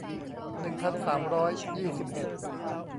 หนึ่งพันสามร้อยยี่สิบเอ็ด